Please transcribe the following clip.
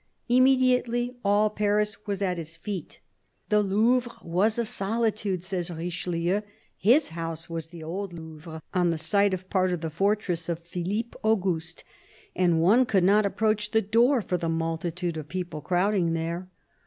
Immediately all Paris was at his feet. " The Louvre was a solitude," says Richelieu; "his house was the old Louvre" — on the site of part of the fortress of Philippe Auguste —" and one could not approach the door for the multitude of people crowding there.